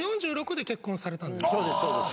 そうですそうです。